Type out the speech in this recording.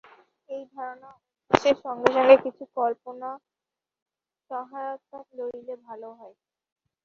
এই ধারণা-অভ্যাসের সঙ্গে সঙ্গে কিছু কল্পনার সহায়তা লইলে ভাল হয়।